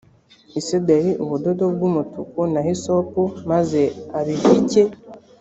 isederi ubudodo bw’umutuku na hisopu maze abivike